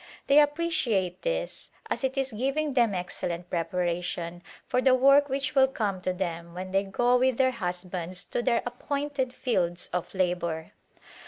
They appreciate this, as it is giving them excellent preparation for the work which will come to them when they go with their husbands to their appointed fields of labor.